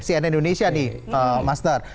cnn indonesia nih master